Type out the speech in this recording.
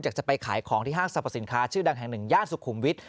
จะไปขายของที่ห้างสรรพสินค้าชื่อดังแห่งหนึ่งย่านสุขุมวิทย